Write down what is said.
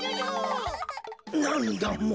なんだもう。